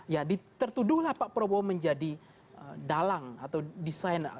ya tertuduhlah pak prabowo menjadi dalang atau desain